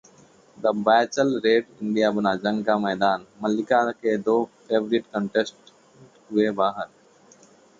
the bachelorette India बना जंग का मैदान, मल्लिका के दो फेवरिट कंटेस्टेंट हुए बाहर